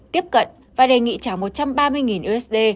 tiếp cận và đề nghị trả một trăm ba mươi usd